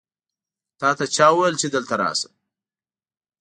تا ته چا وویل چې دلته راسه؟